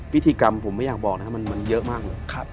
พิธีกรรมผมไม่อยากบอกนะครับมันเยอะมากเลย